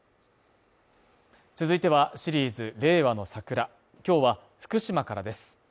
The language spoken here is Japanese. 続いては、シリーズ「令和のサクラ」今日は福島からです。